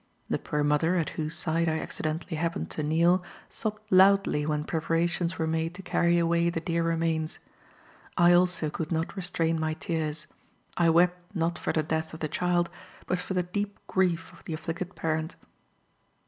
The poor mother, at whose side I accidentally happened to kneel, sobbed loudly when preparations were made to carry away the dear remains. I also could not restrain my tears: I wept not for the death of the child, but for the deep grief of the afflicted parent.